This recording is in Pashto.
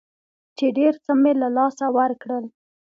چې ډېر څه مې له لاسه ورکړل.